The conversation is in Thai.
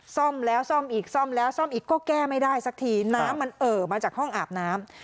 ซ่อมแล้วซ่อมอีกซ่อมแล้วซ่อมอีกก็แก้ไม่ได้สักทีน้ำมันเอ่อมาจากห้องอาบน้ำ